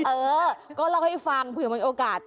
เออก็เล่าให้ฟังเผื่อมันมีโอกาส